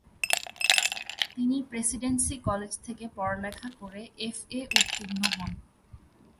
তিনি Presidency College থেকে পড়ালেখা করে এফ এ উত্তীর্ণ হন।